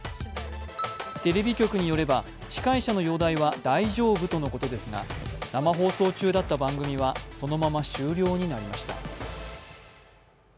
テレビ局によれば司会者の容体は大丈夫とのことですが、生放送中だった番組はそのまま終了になりました。